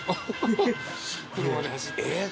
えっ！